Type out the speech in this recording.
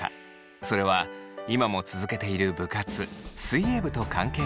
それは今も続けている部活水泳部と関係があります。